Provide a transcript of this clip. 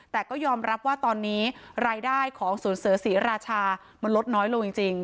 แต่ก็ยอมรับว่าตอนนี้รายได้ของศูนย์เสียราชามันลดน้อยลงจริงจริงครับ